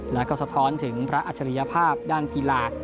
แล้วก็สะท้อนถึงพระอัจฉริยภาพด้านกีฬา